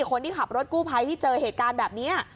คนที่ขับรถกู้ภัยที่เจอเหตุการณ์แบบนี้